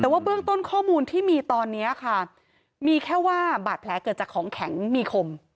แต่ว่าเบื้องต้นข้อมูลที่มีตอนนี้ค่ะมีแค่ว่าบาดแผลเกิดจากของแข็งมีคม